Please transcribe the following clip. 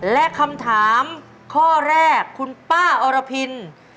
และคำถามข้อแรกคุณป้าอรพิน